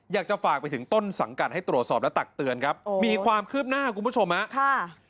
อยากจะฝากไปถึงต้นสังกัดให้ตรวจสอบและตักเตือนครับมีความคืบหน้าคุณผู้ชมฮะค่ะ